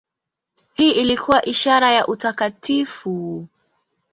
Hii ilikuwa ishara ya utakatifu.